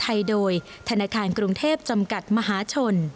ไทยโดยธนาคารกรุงเทพจำกัดมหาชน